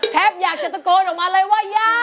แทบอยากจะตะโกนออกมาเลยว่าย่า